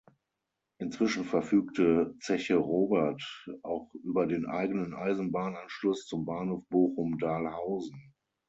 Inzwischen verfügte "Zeche Robert" auch über den eigenen Eisenbahn–Anschluss zum Bahnhof Bochum–Dahlhausen.